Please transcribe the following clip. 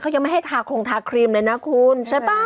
ยังไม่ให้ทาคงทาครีมเลยนะคุณใช่ป่ะ